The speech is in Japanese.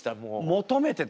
求めてた。